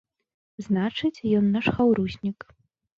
Значыць, ён наш хаўруснік.